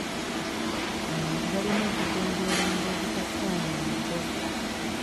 Abantu balina okugonjoolanga obutakkaanya mu bbo.